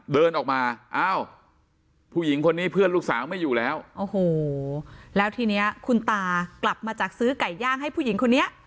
เดินออกมาอ้าวผู้หญิงคนนี้เพื่อนลูกสาวไม่อยู่แล้วโอ้โหแล้วทีนี้คุณตากลับมาจากซื้อไก่ย่างให้ผู้หญิงคนนี้